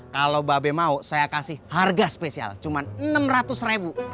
kalau ba be mau saya kasih harga spesial cuman enam ratus ribu